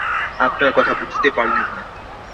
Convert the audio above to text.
আপনার কথা বুঝতে পারলাম না।